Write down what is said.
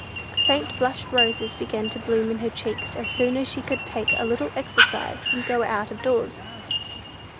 Faint blush roses began to bloom in her cheeks as soon as she could take a little exercise and go out of doors.